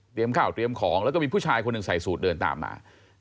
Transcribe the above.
ข้าวเตรียมของแล้วก็มีผู้ชายคนหนึ่งใส่สูตรเดินตามมา